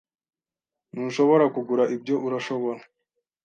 Ntushobora kugura ibyo, urashobora?